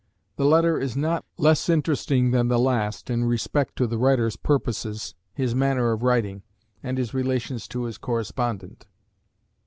The letter is not less interesting than the last, in respect to the writer's purposes, his manner of writing, and his relations to his correspondent.